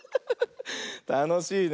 たのしいね。